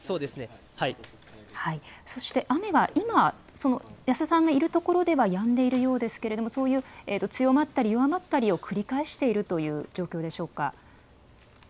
そして、雨は今、保田さんがいる所ではやんでいるようですけれども、そういう強まったり、弱まったりを繰り返しているという状況でしょうか。